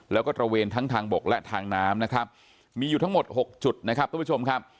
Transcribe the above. แล้วก็ตระเวนทั้งทางบกและทางน้ำนะครับมีอยู่ทั้งหมดหกจุดนะครับทุกผู้ชมครับ